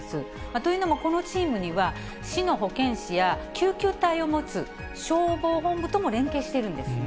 というのも、このチームには、市の保健師や救急隊を持つ消防本部とも連携しているんですね。